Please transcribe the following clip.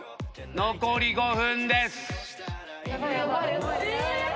残り５分です。